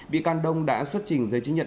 bị can đông đã xuất trình giấy chứng nhận